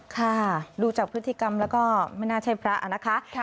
ค่ะดูจากพฤติกรรมแล้วก็ไม่น่าใช่พระนะคะ